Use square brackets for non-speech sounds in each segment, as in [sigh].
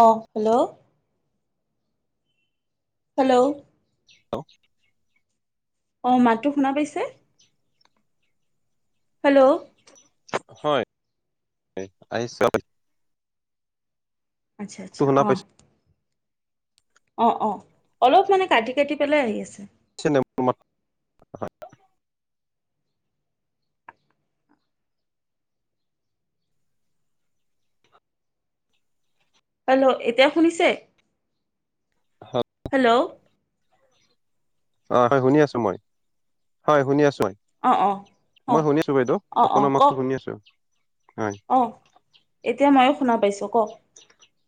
অ hello hello hello! অ, মাতটো শুনা পাইছে! হেল্ল'! হয়, [unintelligible] আচ্ছা! আচ্ছা! শুনা অঁ। পাইছে অ, অ, অলপ মানে কাটি-কাটি পেলাই আহি আছে। [unintelligible] হেল্ল'! এতিয়া শুনিছে! হয়। হেল্ল'! অ, হয়, শুনি আছো মই। হয়, শুনি আছো মই। অ অ অ মই শুনিছো বাইদেউ। অ আপোনাৰ মাততো শুনি আছো, হয়। অঁ, এতিয়া ময়ো শুনা পাইছোঁ। কওঁক?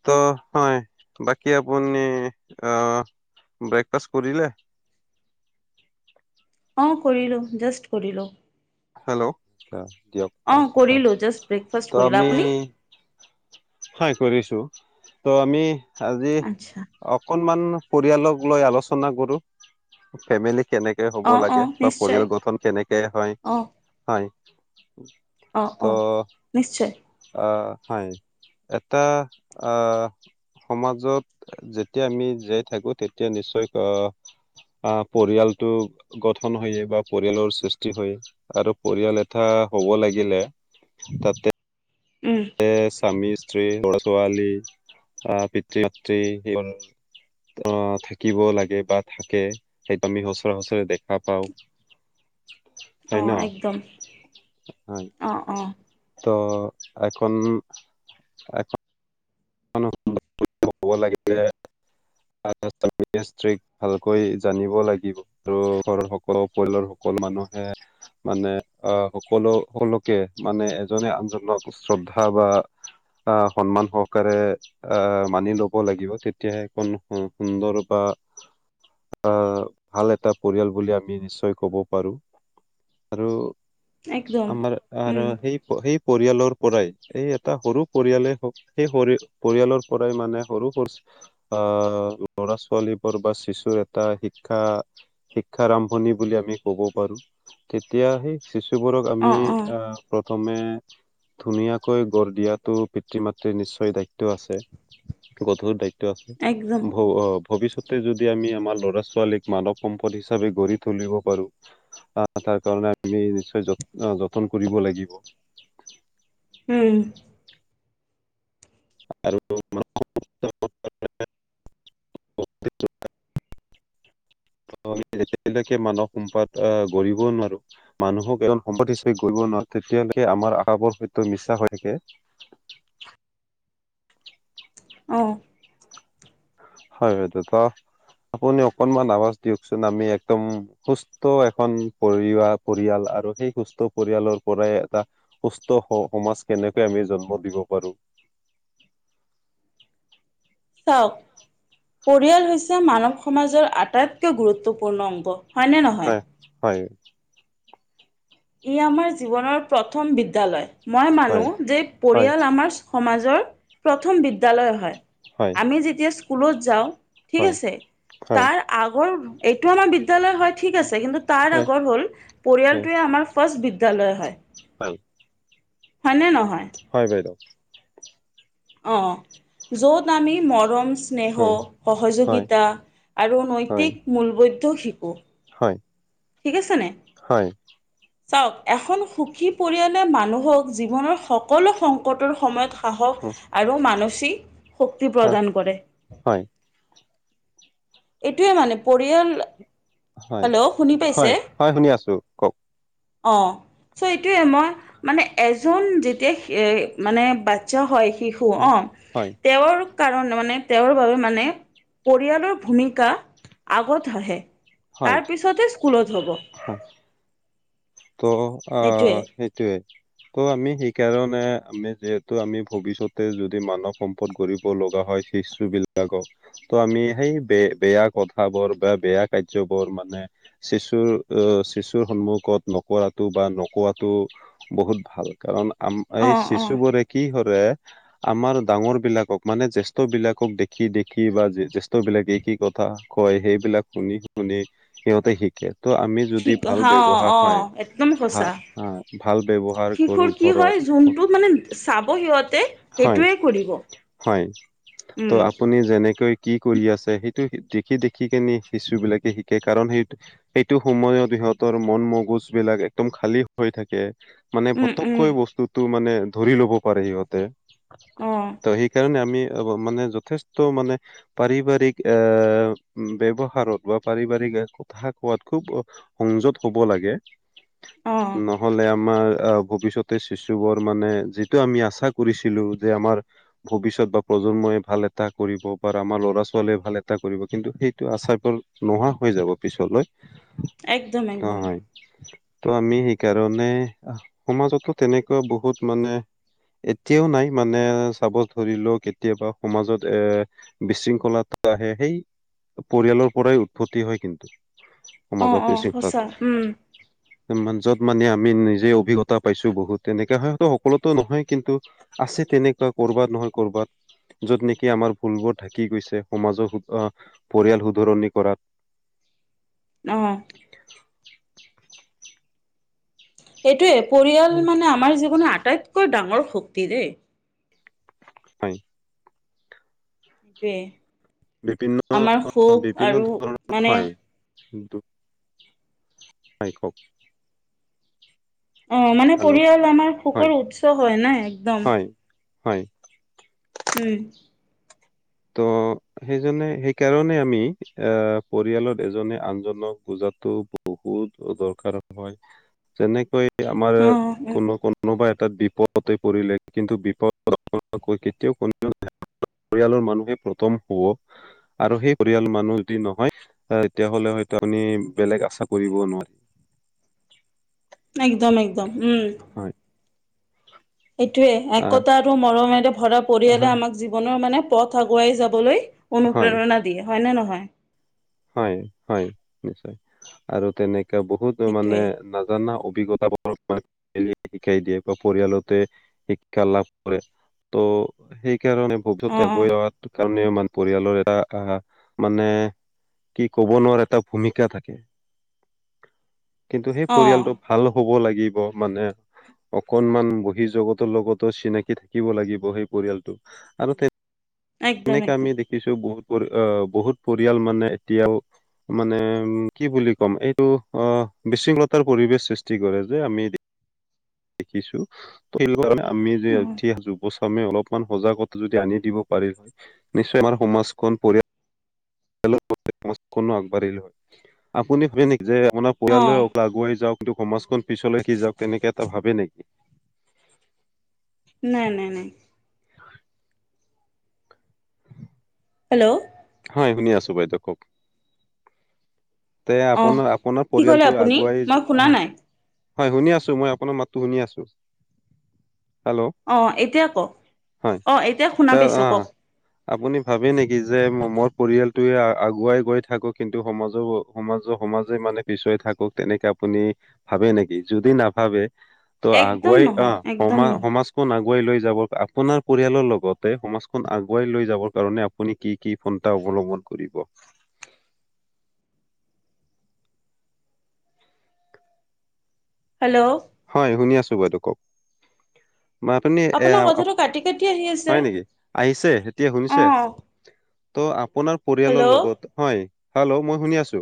ত, হয়, বাকী আপুনি অ ব্ৰেকফাষ্ট কৰিলে? অ, কৰিলোঁ। জাষ্ট কৰিলোঁ। হেল্ল'! দিয়ক অ ভাল কথা। কৰিলো জাষ্ট ব্ৰেকফাষ্ট ত, কৰিলো আমি আপুনি হয়, কৰিছো। ত', আমি আজি আচ্ছা অকনমান পৰিয়ালক লৈ আলোচনা কৰো। ফেমিলি কেনেকে হ'ব অ অ লাগে বা নিশ্চয় পৰিয়াল গঠন কেনেকে হয়? অ হয়, অ ত অ নিশ্চয় আহ, হয়, এটা আহ সমাজত যেতিয়া আমি জীয়াই থাকো, তেতিয়া নিশ্চয় আহ, পৰিয়ালটো গঠন হয় [unintelligible] বা পৰিয়ালৰ সৃষ্টি হয়। আৰু পৰিয়াল এটা হ'ব লাগিলে, তাতে উম। স্বামী-স্ত্ৰী, ল'ৰা-ছোৱালী, আহ, পিতৃ-মাতৃ আহ, থাকিব লাগে বা থাকে, সেইটো আমি সচৰা-সচৰে দেখা পাওঁ। অ হয় ন, একদম হয়। অ অ ত', এখন, এখ [unintelligible] [unintelligible] ভালকৈ জানিব লাগিব। [unintelligible] পৰিয়ালৰ সকলো মানুহে মানে আহ, সকলো সকলোকে মানে এজনে-আনজনক শ্ৰদ্ধা বা অ, সন্মান সহ কাৰে আহ মানি ল'ব লাগিব, তেতিয়াহে এখন সুন্দৰ বা আহ, ভাল এটা পৰিয়াল বুলি আমি নিশ্চয় ক'ব পাৰো, আৰু একদম আমাৰ আৰু উম সেই সেই পৰিয়ালৰ পৰাই, এই এটা সৰু পৰিয়ালে হওক সেই পৰি-পৰিয়ালৰ পৰাই মানে সৰু-সৰু আহ, ল'ৰা-ছোৱালী বোৰ বা শিশুৰ এটা শিক্ষা শিক্ষা আৰম্ভণি বুলি আমি ক'ব পাৰো। তেতিয়া সেই শিশুবোৰক অ আমি অ আহ প্ৰথমে, ধুনীয়াকৈ গঢ় দিয়াটো পিতৃ-মাতৃ ৰ নিশ্চয় দায়িত্ব আছে, গধুৰ দায়িত্ব আছে। একদম ভ ভৱিষ্যতে যদি আমি আমাৰ ল'ৰা-ছোৱালীক মানৱ সম্পদ হিচাপে গঢ়ি তুলিব পাৰোঁ তাৰ, তাৰ কাৰণে আমি নিশ্চয় য, যতন কৰিব লাগিব। উম। আৰু [unintelligible] যেতিয়ালৈকে মানৱ সম্পদ আহ, গঢ়িব নোৱাৰো মানুহক এজন, সম্পদ হিচাপে গঢ়িব নোৱাৰে, তেতিয়ালৈকে আমাৰ আশা-ভৰষাবোৰ মিছা হৈ থাকে। অঁ। হয় বাইদেউ, আপুনি অকনমান আৱাজ দিয়কচোন, আমি একদম সুস্থ সুস্থ এখন পৰিৱাৰ, পৰিয়াল আৰু সেই সুস্থ পৰিয়ালৰ পৰাই এটা সুস্থ সমাজ কেনেকৈ আমি জন্ম দিব পাৰো। চাওক, পৰিয়াল হৈছে মানৱ সমাজৰ আটাইতকৈ গুৰুত্বপূৰ্ণ অংগ। হয়নে নহয়? হয় হয়। ই আমাৰ জীৱনৰ প্ৰথম বিদ্যালয়, মই মানো, হয় যে হয় পৰিয়াল আমাৰ সমাজৰ প্ৰথম বিদ্যালয় হয়, হয় আমি যেতিয়া স্কুলত যাওঁ। ঠিক হয় আছে, হয় তাৰ আগৰ, এইটো আমাৰ বিদ্যালয় হয় ঠিক আছে, কিন্তু তাৰ হয় আগৰ হ'ল, হয় পৰিয়ালটোৱে আমাৰ ফাৰ্ষ্ট বিদ্যালয় হয়। হয়। হয়নে নহয়? হয় বাইদেউ। অঁ অঁ, য'ত আমি মৰমচ স্নেহ, হয় হয় সহযোগিতা আৰু হয় নৈতিক মূলবৈধ শিকো। হয়। ঠিকে আছেনে নাই? হয়। চাওক, এখন সুখী পৰিয়ালে, মানুহৰ জীৱনৰ সকলো সংকটৰ সময়ত সাহস আৰু মানসিক শক্তি প্ৰদান কৰে। হয় এইটোৱে মানে, পৰিয়াল হয়, হেল্ল' শুনি পাইছে? হয়, হয় শুনি আছো, কওক। অ'। চ এইটোৱে, মই, মানে, এজন যেতিয়া মানে বাচ্ছা হয় শিশু অ', হয় তেওঁৰ কাৰণ, মানে তেওঁৰ বাবে, মানে পৰিয়ালৰ ভূমিকা আগত হাঁহে, হয় তাৰপিছতহে স্কুলত হ'ব। হয় ত' এইটোৱে অ', সেইটোৱে। ত' আমি সেইকাৰণে, আমি যিহেতু আমি ভৱিষ্যতে যদি মানৱ সম্পদ গঢ়িব লগা হয় শিশু বিলাকক। ত' আমি সেই, বেয়া কথাবোৰ বা বেয়া কাৰ্যবোৰ মানে শিশুৰ, অহ, শিশুৰ সন্মুখত নকৰাটো বা নকোৱটো বহুত ভাল, কাৰণ আম, এই, অ', অ', শিশুবোৰ কি কৰে আমাৰ ডাঙৰ বিলাকক, মানে জ্যেষ্ঠ বিলাক, দেখি দেখি বা জ্যেষ্ঠ বিলাকে কি ক কথা কয়, সেইবিলাক শুনি শুনি সিহঁতে শিকে, ত' আমি যদি শিক ভাল অ', ব্যৱহাৰ হয় অ', একদম ভা সচাঁ, আ ভাল ব্যৱহাৰ কৰো শিশুৰ কি ঘৰত হয়, যোনটো মানে চাব সিহঁতে হয় সেইটোৱে কৰিব। হয়, উম ত' আপুনি যেনেকৈ কি কৰি আছে, সেইটো দেখি দেখি কিনে শিশু বিলাকে শিকে, কাৰণ সেই এইটো সময়ত সিহঁতৰ মন ম গজবিলাক একদম খালি হৈ থাকে। মানে উম উম পটককৈ বস্তুত টো মানে ধৰি ল'ব পাৰে সিহঁতে। অ ত' সেইকাৰণে আমি [unintelligible] মানে যথেষ্ট মানে পাৰিবাৰিক আ' ব্যৱহাৰত বা পাৰিবাৰিক [unintelligible] খুব সংযত হ'ব লাগে। অ নহ'লে আমাৰ আ' ভৱিষ্যতে শিশুবোৰ মানে যিটো আমি আচা কৰিছিলোঁ যে আমাৰ ভৱিষ্যত বা প্ৰজন্মই ভাল এটা কৰিব বা আমাৰ ল'ৰা-ছোৱালীয়ে ভাল এটা কৰিব কিন্তু সেইটো আশা কৰোঁ। নোহোৱা হৈ যাব একদম একদম পিছলৈ। ত' আমি সেইকাৰণে সমাজতো তেনেকুৱা বহুত মানে এতিয়াও নাই, মানে চাব ধৰিলেও কেতিয়াবা সমাজত এ বিশৃংখলাটো আহে, সেই পৰিয়ালৰ পৰাই উৎপত্তি হয় কিন্তু। অ অ সমাজত সঁচা উম [unintelligible] য'ত মানে আমি নিজে অভিজ্ঞতা পাইছোঁ বহুত। তেনেকা [unintelligible] সকলোতো নহয়। কিন্তু আছে তেনেকুৱা কৰ'বাত নহয় কৰ'বাত। য'ত নেকি আমাৰ ভুলবোৰ থাকি গৈছে, সমাজৰ আ' পৰিয়াল শুধৰণি কৰাত। অ'। এইটোৱে পৰিয়াল উম, মানে আমাৰ জীৱনৰ আটাইতকৈ ডাঙৰ শক্তি দেই। হয়। সেইটোৱে। বিভিন্ন আমাৰ সুখ বিভিন্ন আৰু মানে ধৰণৰ [inaudible] [unintelligible] হয় কওঁক। অ' মানে পৰিয়াল আমাৰ সুকৰ উৎস হয় নাই একদম। হয় হয়। উম। ত' সেইজনে সেইকাৰনে আমি আ' পৰিয়ালত এজনে-আনজনক বুজাটো বহুত দৰকাৰ হয়। যেনেকৈ আমাৰ অ কোনো কোন কোনোবা এটাত বিপদতে পৰিলে কিন্তু বিপদ কেতিয়াও [inaudible] পৰিয়ালৰ মানুহে প্ৰথম হব। আৰু সেই পৰিয়াল মানুহ যদি নহয় তেতিয়াহ'লে হয়তো আপুনি বেলেগ আশা কৰিব নোৱাৰি। একদম একদম উম। হয়! এইটোৱে, আহ একতা আৰু মৰমেৰে ভৰা আহ পৰিয়ালে আমাক জীৱনৰ মানে পথ আগুৱাই যাবলৈ হয় অনুপ্ৰেৰণা দিয়ে। হয়নে নহয়? হয় হয় নিশ্চয়, আৰু তেনেকা বহুতো মানে সেইটোৱে না নাজানা অভিজ্ঞতা [inaudible] শিকাই দিয়ে বা পৰিয়ালতে শিক্ষা লাভ কৰে। ত' সেইকাৰণে [inaudible] অ গৈ অ অহাৰ কাৰণে মান পৰিয়ালৰ এটা আহা মানে কি ক'ব নোৱাৰা এটা ভূমিকা থাকে। কিন্তু সেই অ পৰিয়ালটোক ভাল হ'ব লাগিব মানে। অকণমান বহি জগতৰ লগতো চিনাকি থাকিব লাগিব সেই পৰিয়ালটো আৰু তেত একদম তেনেকা আমি একদম দেখিছোঁ বহুত পৰ আ' বহুত পৰিয়াল মানে এতিয়াও মানে উম কি বুলি ক'ম, এইটো অ' বিশৃংখতাৰ পৰিবেশ সৃষ্টি কৰে যে। আমি দি দেখিছোঁ। দেখিলো তাৰমানে, আমি অ যে যুৱচামে অলপমান সজাগতা যদি আনি দিব পাৰি- নিশ্চয় আমাৰ সমাজখন পৰিয়া- একেলগতে সমাজখনো আগবাঢ়ি যাব, আপুনি ভাবে নেকি যে আপোনাৰ- অ পৰিয়ালে অকল আগুৱাই যাওক, কিন্ত সমাজখন পিছলৈ কে যাওক তেনেকে এটা ভাবে নেকি? নাই নাই নাই। হেল্লৌ' হয় শুনি আছো, বাইদেউ কওক? তে অ আপোনাৰ আপোনাৰ কি ক'লে পৰিয়ালটো আপুনি আগুৱাই মই শুনা যো- নাই হয় শুনি আছো, মই আপোনাৰ মাততো শুনি আছো, হেল্লৌ'। অঁ এতিয়া কওক, অ এতিয়া ত শুনা পাইছো, অ কওক? আপুনি ভাবে নেকি যে ম মই পৰিয়ালটোয়ে আগুৱাই গৈ থাকো, কিন্তু সমাজৰ- সমাজৰ সমাজে মানে পিছুৱাই থাকক তেনেকে আপুনি ভাবে নেকি? যদি নাভাবে- ত একদম আগুৱাই নহয় অঁ একদম সমা নহয় সমাজ- আগুৱাই লৈ যাব, আপোনাৰ পৰিয়ালৰ লগতে সমাজখন আগুৱাই লৈ যাবৰ কাৰণে- আপুনি কি কি পনটা অৱলম্বন কৰিব। হেল্লৌ'। হয় শুনি আছো, বাইদেউ কওক? মাতোনি এঁ আপোনাৰ কথাটো কাটি কাটি আহি আছে হয় নেকি? আহিছে এতিয়া অ শুনিছে? ত' আপোনাৰ পৰিয়ালৰ হেল্ল' লগত- হয়, হেল্লৌ' মই শুনি আছো,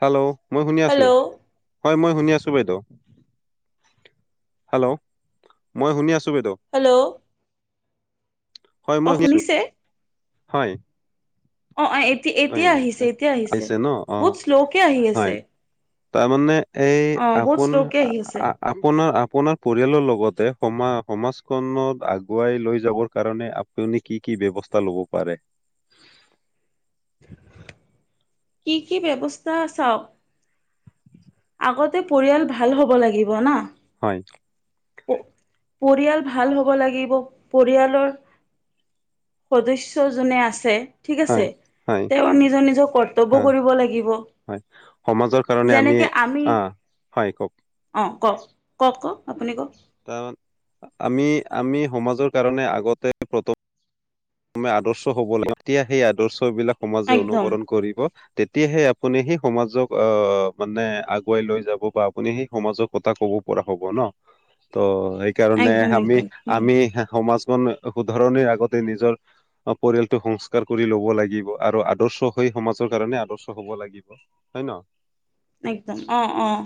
হেল্লৌ'। মই শুনি আছো, হেল্ল' হয় মই শুনি আছো। শুনিছো বাইদেও, হেল্লৌ' মই শুনি আছো বাইদেউ। হেল্লৌ'। হয় মই শুনিছোঁ, শুনিছে হয়। অঁ অঁ এতি হয় এতিয়া আহিছে এতিয়া আহিছে, ন অ বহুত শ্লৌ কে আহি হয় আছে। তাৰমানে এই অ বহুত আপোন শ্ল'কে আ আহি আছে আ- আপোনাৰ আপোনাৰ পৰিয়ালৰ লগতে সমা সমাজখনত আগুৱাই লৈ যাবৰ কাৰণে আ- পোনি কি কি ব্যৱস্থা ল'ব পাৰে? কি কি ব্যৱস্থা চাওক- আগতে পৰিয়াল ভাল হ'ব লাগিব না। হয়। পৰিয়াল ভাল হ'ব লাগিব পৰিয়ালৰ- সদস্যজোনে আছে, ঠিক আছে। হয় হয় তেওঁৰ নিজৰ নিজৰ হা কৰ্তব্যও কৰিব লাগিব, হয় সমাজৰ কাৰণে যেনেকে- আমি আহ হয় কওক অঁ কওক কওক কওক আপুনি কওক? তাৰ আমি আমি সমাজৰ কাৰণে আগতে- [unintelligible] মে আদৰ্শ হ'ব লাগিব, তেতিয়া সেই আদৰ্শ বিলাক সমাজে একদম অনুকৰণ কৰিব। তেতিয়াহে আপুনি সেই সমাজক আহ মানে আগুৱাই লৈ যাব বা আপুনি সেই সমাজক কথা ক'ব- পৰা হ'ব ন? ত এক- কাৰণে একদম আমি একদম উম আমি সমাজখন শুধৰণিৰ আগতে নিজৰ- অঁ পৰিয়ালটোক সংস্কাৰ কৰি ল'ব লাগিব আৰু আদৰ্শ হৈ সমাজৰ কাৰণে আদৰ্শ হব লাগিব। হয় ন? একদম, অঁ অঁ।